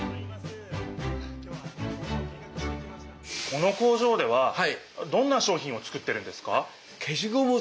この工場ではどんな商品を作ってるんですか？